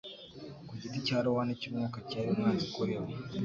ku giti cya rowan cy'umwuka cyari umwanzi kuri we